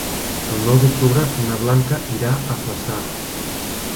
El nou d'octubre na Blanca irà a Flaçà.